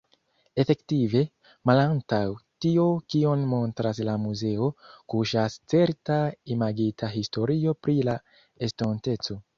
Efektive, malantaŭ tio kion montras la muzeo, kuŝas certa imagita historio pri la estonteco.